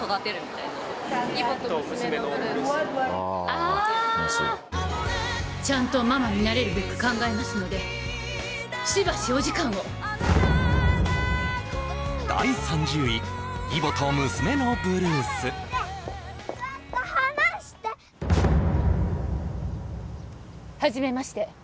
あちゃんとママになれるべく考えますのでしばしお時間を第３０位ちょっと離してはじめまして